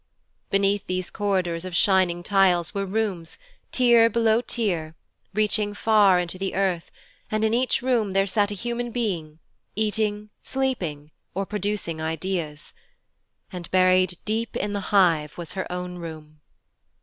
Beneath those corridors of shining tiles were rooms, tier below tier, reaching far into the earth, and in each room there sat a human being, eating, or sleeping, or producing ideas. And buried deep in the hive was her own room.